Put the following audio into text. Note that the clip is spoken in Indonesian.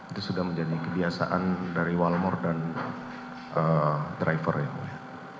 itu sudah menjadi kebiasaan dari walmur dan driver ya